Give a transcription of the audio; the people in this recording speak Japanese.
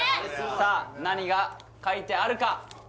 さあ何が書いてあるか？